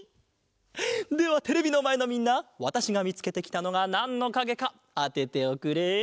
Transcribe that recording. ではテレビのまえのみんなわたしがみつけてきたのがなんのかげかあてておくれ。